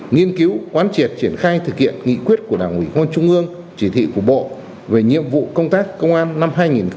nghiên cứu quan triệt triển khai thực hiện nghị quyết của đảng uỷ hôn trung ương chỉ thị của bộ về nhiệm vụ công tác công an năm hai nghìn hai mươi